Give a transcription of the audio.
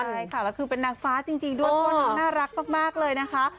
ใช่ค่ะแล้วคือเป็นนางฟ้าจริงด้วยเพราะว่าน้องน่ารักมากเลยนะคะ